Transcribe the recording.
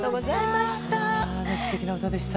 すてきな歌でした。